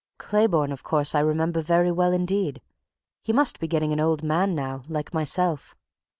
"Clayborne, of course, I remember very well indeed he must be getting an old man now like myself!